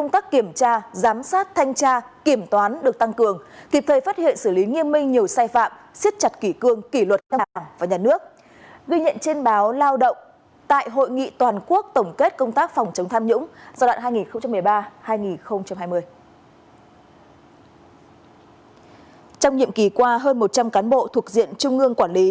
trong nhiệm kỳ qua hơn một trăm linh cán bộ thuộc diện trung ương quản lý